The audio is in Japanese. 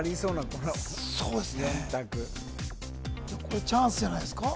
この４択チャンスじゃないですか